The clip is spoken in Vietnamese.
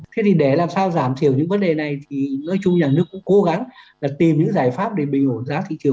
thế thì để làm sao giảm thiểu những vấn đề này thì nói chung nhà nước cũng cố gắng là tìm những giải pháp để bình ổn giá thị trường